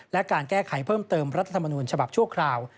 และการแก้ไขเพิ่มเติมรัฐธรรมนูญฉบับชั่วคราว